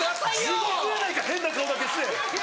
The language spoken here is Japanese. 地獄やないか変な顔だけして。